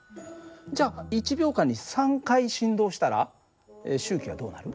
じゃあ１秒間に３回振動したら周期はどうなる？